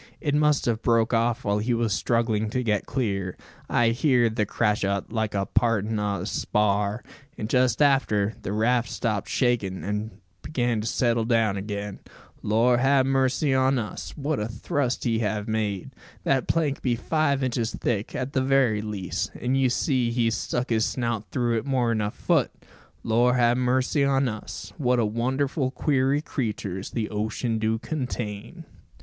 "It must have broke off while he was struggling to get clear, I heerd the crash o't, like the partin' o' a spar; and just after, the raft stopped shakin', an' began to settle down again. Lor ha mercy on us! what a thrust he have made! That plank be five inches thick, at the very least, an' you see he's stuck his snout through it more'n a foot! Lor 'a mercy on us! What wonderful queery creeturs the ocean do contain!"